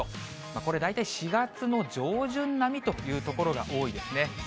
これ大体４月の上旬並みという所が多いですね。